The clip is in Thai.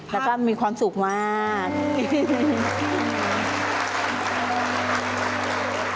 แล้วก็มีความสุขมาก